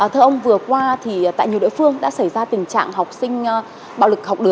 thưa ông vừa qua thì tại nhiều nội phương đã xảy ra tình trạng học sinh